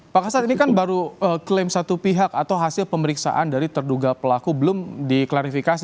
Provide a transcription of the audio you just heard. pak kasat ini kan baru klaim satu pihak atau hasil pemeriksaan dari terduga pelaku belum diklarifikasi